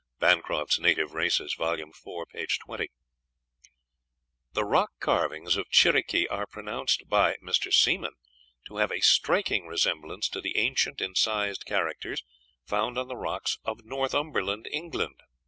(Bancroft's Native Races," vol. iv., p. 20.) The rock carvings of Chiriqui are pronounced by Mr. Seemann to have a striking resemblance to the ancient incised characters found on the rocks of Northumberland, England.